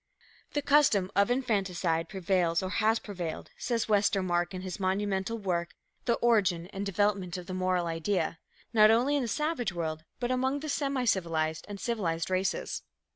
"The custom of infanticide prevails or has prevailed," says Westermark in his monumental work, The Origin and Development of the Moral Idea, "not only in the savage world but among the semi civilized and civilized races."